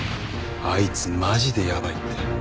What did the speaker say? あいつマジでやばいって。